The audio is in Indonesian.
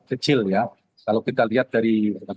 kecil ya kalau kita lihat dari